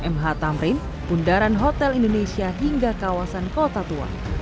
mh tamrin bundaran hotel indonesia hingga kawasan kota tua